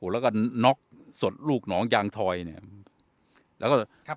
แล้วก็น็๊กสดลูกหนองยางถอยนะครับ